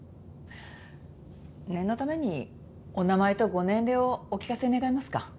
念のためにお名前とご年齢をお聞かせ願えますか？